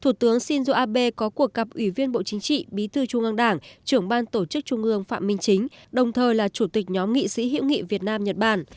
thủ tướng shinzo abe có cuộc gặp ủy viên bộ chính trị bí thư trung ương đảng trưởng ban tổ chức trung ương phạm minh chính đồng thời là chủ tịch nhóm nghị sĩ hữu nghị việt nam nhật bản